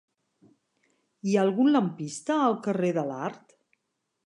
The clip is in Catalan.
Hi ha algun lampista al carrer de l'Art?